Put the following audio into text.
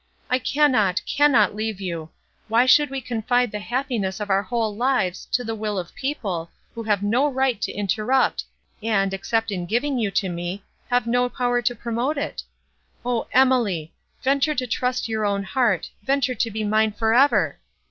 —I cannot, cannot leave you! Why should we confide the happiness of our whole lives to the will of people, who have no right to interrupt, and, except in giving you to me, have no power to promote it? O Emily! venture to trust your own heart, venture to be mine for ever!"